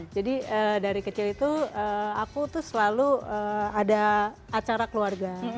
jadi dari kecil itu aku tuh selalu ada acara keluarga